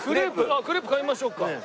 あっクレープ買いましょうか。